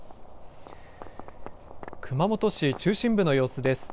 熊本市中心部の様子です。